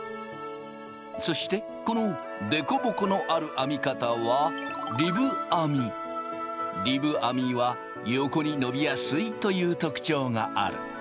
そしてこの凸凹のある編み方は横に伸びやすいという特徴がある。